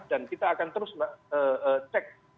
dan kita akan terus cek